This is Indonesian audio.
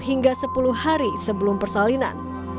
hingga sepuluh hari sebelum persalinan